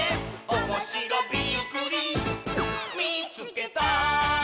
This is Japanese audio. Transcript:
「おもしろびっくりみいつけた！」